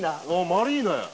マリーナや。